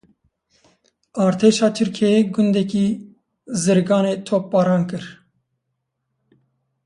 Artêşa Tirkiyeyê gundekî Zirganê topbaran kir.